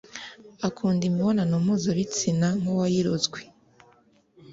akunda imibonano mpuzabitsina nkuwayirozwe